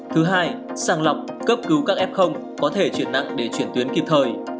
thứ hai sàng lọc cấp cứu các f có thể chuyển nặng để chuyển tuyến kịp thời